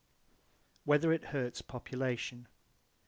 Whether it hurts population?